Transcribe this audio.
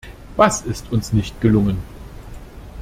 Was ist uns nicht gelungen?